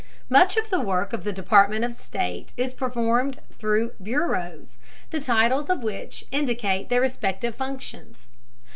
Much of the work of the Department of State is performed through bureaus, the titles of which indicate their respective functions.